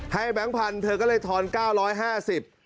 แบงค์พันธุ์เธอก็เลยทอน๙๕๐บาท